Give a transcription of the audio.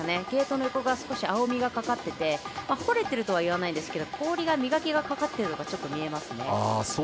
ゲートの横が少し青みがかってて掘れてるとはいわないんですが氷が磨きがかかっているのがちょっと見えますね。